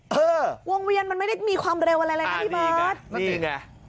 ฮึ่ยวงเวียนมันไม่ได้มีความเร็วอะไรนะพี่เบิร์ตนี่ไง